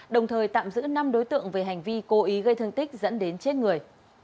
đồng thời tạm giữ năm đối tượng về hành vi cố ý gây thương tích dẫn đến chết người